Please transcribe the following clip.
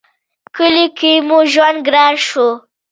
کلي کې مو ژوند گران شو